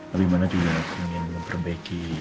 abimana juga ingin memperbaiki